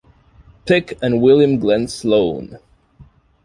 Pick and William Glenn Sloan.